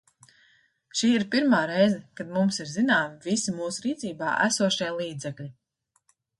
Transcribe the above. Šī ir pirmā reize, kad mums ir zināmi visi mūsu rīcībā esošie līdzekļi.